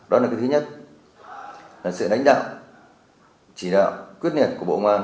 đó là thứ nhất là sự đánh đạo chỉ đạo quyết niệm của bộ ngoan